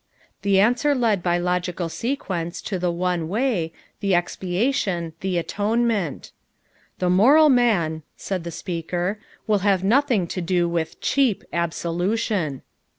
The answer led by logical sequence to the one way, the expiation, the atonement. "The moral man," said the speaker, "will have nothing to do with cheap absolution."